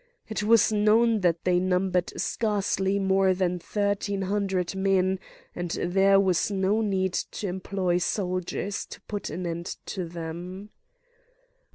It was known that they numbered scarcely more than thirteen hundred men, and there was no need to employ soldiers to put an end to them.